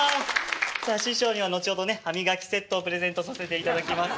さあ師匠には後ほど歯磨きセットをプレゼントさせていただきます。